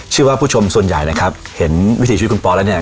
เชื่อว่าผู้ชมส่วนใหญ่นะครับเห็นวิถีชีวิตคุณปอแล้วเนี่ย